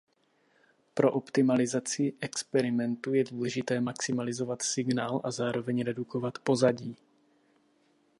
Pro optimalizaci experimentu je důležité maximalizovat signál a zároveň redukovat "pozadí".